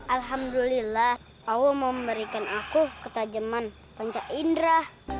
alhamdulillah allah memberikan aku ketajaman pencak indra